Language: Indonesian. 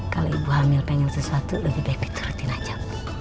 kalau ibu hamil pengen sesuatu lebih baik diturutin aja